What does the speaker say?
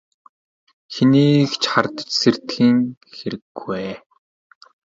Хэнийг ч хардаж сэрдэхийн хэрэггүй.